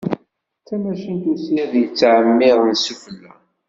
D tamacint usired yettεemmiren sufella.